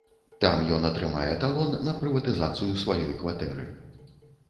Там ён атрымае талон на прыватызацыю сваёй кватэры.